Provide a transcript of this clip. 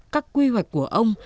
các quy hoạch của ông